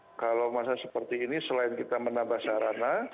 karena kan kalau masa seperti ini selain kita menambah sarana